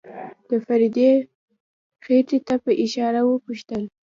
د فريدې خېټې ته په اشاره وپوښتل.